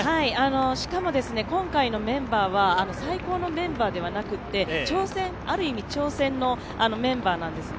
しかも今回のメンバーは最高のメンバーではなくてある意味挑戦のメンバーなんですね。